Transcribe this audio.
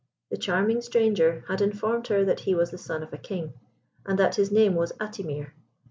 The charming Stranger had informed her that he was the son of a King, and that his name was Atimir.